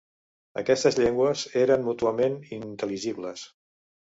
Aquestes llengües eren mútuament inintel·ligibles.